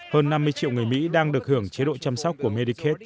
hơn năm mươi triệu người mỹ đang được hưởng chế độ chăm sóc của medicate